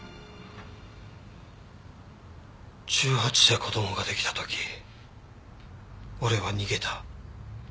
１８で子供が出来た時俺は逃げた。